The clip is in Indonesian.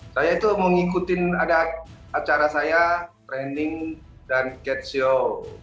saya itu mau ngikutin ada acara saya training dan cat show